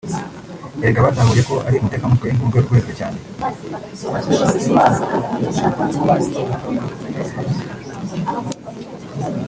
Erega batahuye ko ari umutekamutwe wo mu rwego rwo hejuru cyane